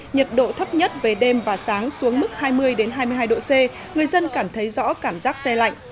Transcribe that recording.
nhiệt độ thấp nhất về đêm và sáng xuống mức hai mươi hai mươi hai độ c người dân cảm thấy rõ cảm giác xe lạnh